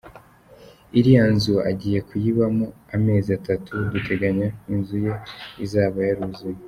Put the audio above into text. iriya nzu agiye kuyibamo amezi atatu , duteganya ko inzu ye izaba yaruzuye.